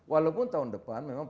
walaupun tahun depan memang